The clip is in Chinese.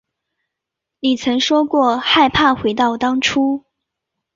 你曾说过害怕回到当初